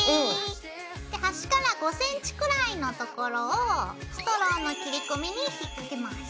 ＯＫ！で端から５ｃｍくらいの所をストローの切り込みに引っ掛けます。